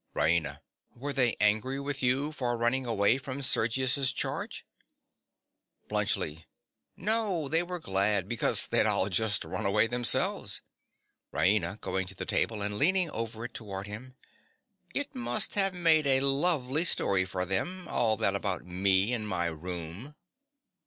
RAINA. Were they angry with you for running away from Sergius's charge? BLUNTSCHLI. No, they were glad; because they'd all just run away themselves. RAINA. (going to the table, and leaning over it towards him). It must have made a lovely story for them—all that about me and my room.